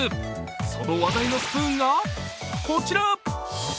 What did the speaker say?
その話題のスプーンがこちら。